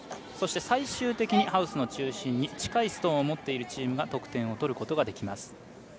そして最終的にハウスの中心に近いストーンを持っているチームが得点を取ることができます。